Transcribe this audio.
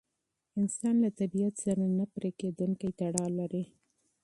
انسان له طبیعت سره نه پرېکېدونکی تړاو لري.